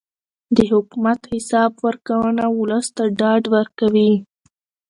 د حکومت حساب ورکونه ولس ته ډاډ ورکوي